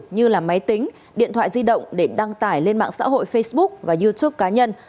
như là máy tính điện thoại di động để đăng tải lên mạng xã hội facebook và youtube cá nhân